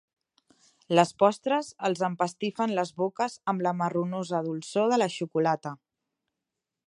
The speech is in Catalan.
Les postres els empastifen les boques amb la marronosa dolçor de la xocolata.